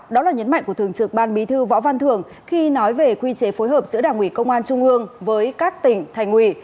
đó là nhấn mạnh của thường trực ban bí thư võ văn thường khi nói về quy chế phối hợp giữa đảng ủy công an trung ương với các tỉnh thành ủy